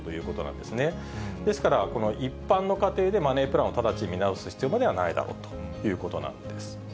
ですからこの一般の家庭でマネープランを直ちに見直す必要はないだろうということなんです。